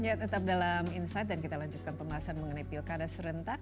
ya tetap dalam insight dan kita lanjutkan pembahasan mengenai pilkada serentak